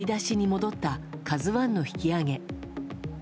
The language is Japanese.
振り出しに戻った「ＫＡＺＵ１」の引き揚げ。